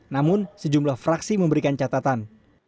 namun sejumlah fraksi memberikan catatan